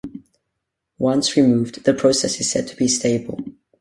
Once removed, the process is said to be "stable".